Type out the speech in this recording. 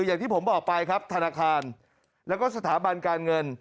อย่างที่ผมบอกไปครับธนาคารแล้วก็สถาบันการเงิน